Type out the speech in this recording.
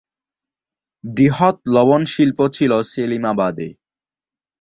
বৃহৎ লবণ শিল্প ছিল সেলিমাবাদে।